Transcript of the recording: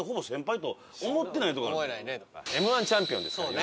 天下のＭ−１チャンピオンですから僕は。